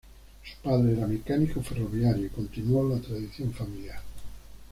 Su padre era mecánico ferroviario y continuó la tradición familiar.